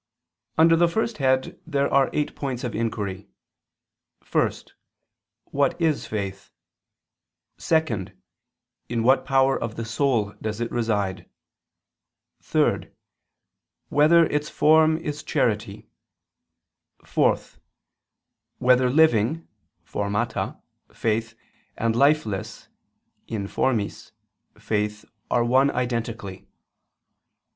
Under the first head there are eight points of inquiry: (1) What is faith? (2) In what power of the soul does it reside? (3) Whether its form is charity? (4) Whether living (formata) faith and lifeless (informis) faith are one identically?